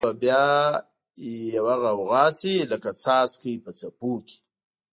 دا به بیا یوه غوغاشی، لکه څاڅکی په څپو کی